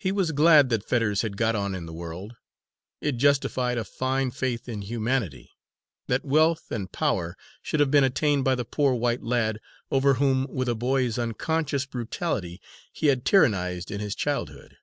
He was glad that Fetters had got on in the world. It justified a fine faith in humanity, that wealth and power should have been attained by the poor white lad, over whom, with a boy's unconscious brutality, he had tyrannised in his childhood.